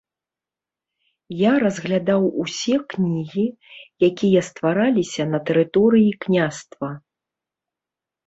Я разглядаў усе кнігі, якія ствараліся на тэрыторыі княства.